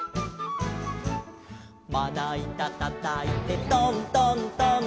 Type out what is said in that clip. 「まないたたたいてトントントン」